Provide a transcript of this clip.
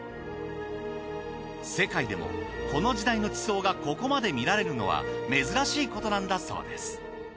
世界でもこの時代の地層がここまで見られるのは珍しいことなんだそうです。